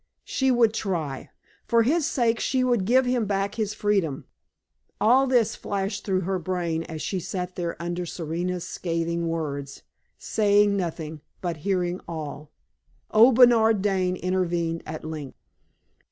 She would try. For his sake she would give him back his freedom. All this flashed through her brain as she sat there under Serena's scathing words, saying nothing, but hearing all. Old Bernard Dane intervened at length.